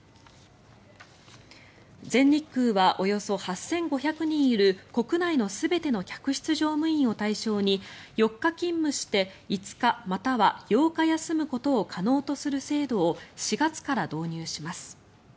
全日空はおよそ８５００人いる国内の全ての客室乗務員を対象に４日勤務して５日または８日休むことを可能とする制度を４月から導入します。